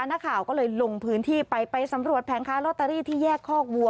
นักข่าวก็เลยลงพื้นที่ไปไปสำรวจแผงค้าลอตเตอรี่ที่แยกคอกวัว